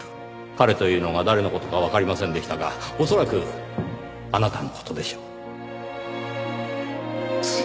彼というのが誰の事かわかりませんでしたが恐らくあなたの事でしょう。